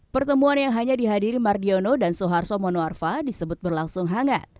pertemuan yang hanya dihadiri mardiono dan soeharto monoarfa disebut berlangsung hangat